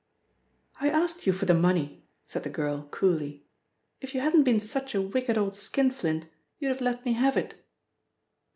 "I asked you for the money," said the girl coolly. "If you hadn't been such a wicked old skinflint, you'd have let me have it."